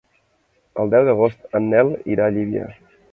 El deu d'agost en Nel irà a Llívia.